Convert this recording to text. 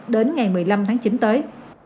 đến ngày một mươi năm tháng chín tới